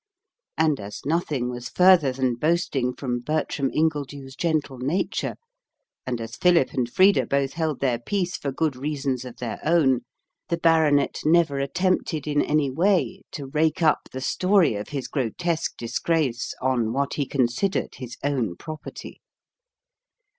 And as nothing was further than boasting from Bertram Ingledew's gentle nature, and as Philip and Frida both held their peace for good reasons of their own, the baronet never attempted in any way to rake up the story of his grotesque disgrace on what he considered his own property.